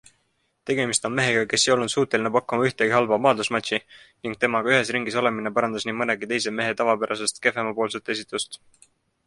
Tegemist on mehega, kes ei olnud suuteline pakkuma ühtegi halba maadlusmatši ning temaga ühes ringis olemine parandas nii mõnegi teise mehe tavapäraselt kehvemapoolset esitust.